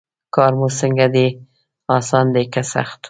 کار مو څنګه دی اسان دی که سخت.